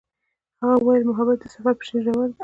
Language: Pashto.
هغې وویل محبت یې د سفر په څېر ژور دی.